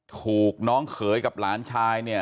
ถูกน้องเขยกับหลานชาย